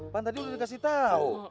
pak tadi udah dikasih tau